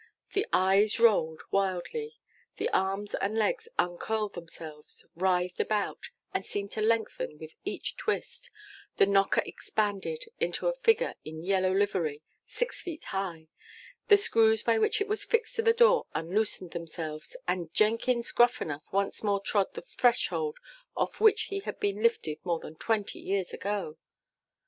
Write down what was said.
The eyes rolled wildly; the arms and legs uncurled themselves, writhed about, and seemed to lengthen with each twist; the knocker expanded into a figure in yellow livery, six feet high; the screws by which it was fixed to the door unloosed themselves, and JENKINS GRUFFANUFF once more trod the threshold off which he had been lifted more than twenty years ago!